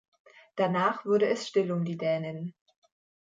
Danach wurde es still um die Dänin.